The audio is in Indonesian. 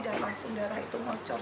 dan langsung darah itu ngocor